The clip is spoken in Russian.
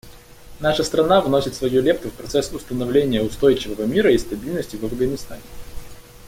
Наша страна вносит свою лепту в процесс установления устойчивого мира и стабильности в Афганистане.